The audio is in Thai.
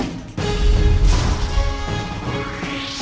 โปรดติดตามตอนต่อไป